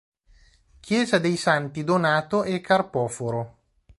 Chiesa dei Santi Donato e Carpoforo